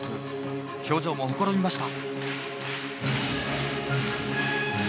表情もほころびました。